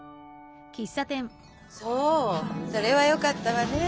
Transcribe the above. そうそれはよかったわね。